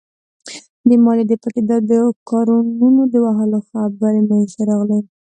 د ماليې د پټېدو او د کاروانونو د وهلو خبرې مينځته راغلې.